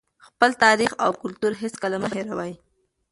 خپل تاریخ او کلتور هېڅکله مه هېروئ.